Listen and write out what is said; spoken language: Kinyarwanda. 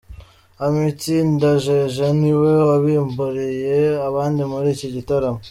Amity Ndajeje ni we wabimburiye abandi muri iki gitaramo.